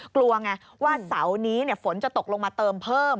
กลัวไงว่าเสาร์นี้ฝนจะตกลงมาเติมเพิ่ม